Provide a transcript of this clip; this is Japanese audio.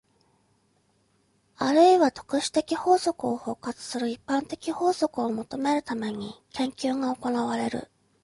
あるいは特殊的法則を包括する一般的法則を求めるために、研究が行われる。